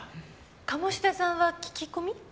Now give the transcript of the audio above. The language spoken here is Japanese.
鴨志田さんは聞き込み？